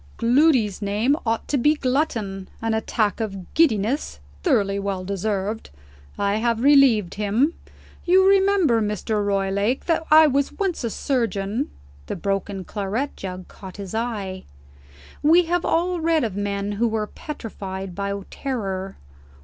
"Gloody's name ought to be Glutton. An attack of giddiness, thoroughly well deserved. I have relieved him. You remember, Mr. Roylake, that I was once a surgeon " The broken claret jug caught his eye. We have all read of men who were petrified by terror.